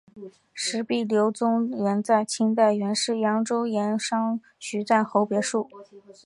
石壁流淙园在清代原是扬州盐商徐赞侯别墅。